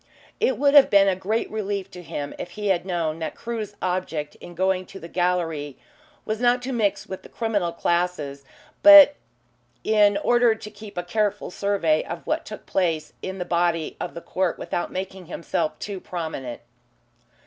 It would have been a great relief to him if he had known that Crewe's object in going to the gallery was not to mix with the criminal classes, but in order to keep a careful survey of what took place in the body of the court without making himself too prominent.